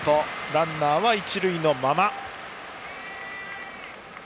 ランナーは一塁のまま。